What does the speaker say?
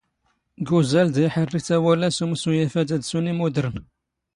ⴳ ⵓⵣⴰⵍ ⴷⴰ ⵉⵃⵔⵔⵉ ⵜⴰⵡⴰⵍⴰ ⵙ ⵓⵎⵙⵓ ⴰⴼⴰⴷ ⴰⴷ ⵙⵓⵏ ⵉⵎⵓⴷⵔⵏ.